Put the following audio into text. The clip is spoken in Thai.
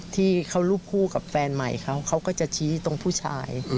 ที่เขารูปคู่กับแฟนใหม่เขาเขาก็จะชี้ตรงผู้ชาย